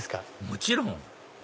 もちろん！